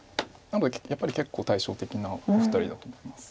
やっぱり結構対照的なお二人だと思います。